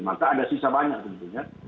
maka ada sisa banyak tentunya